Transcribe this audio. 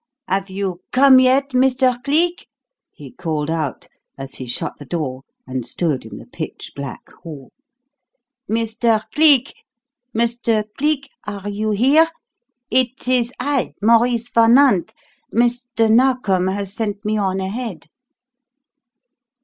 "Have you come yet, Mr. Cleek?" he called out, as he shut the door and stood in the pitch black hall. "Mr. Cleek! Mr. Cleek, are you here? It is I Maurice Van Nant. Mr. Narkom has sent me on ahead."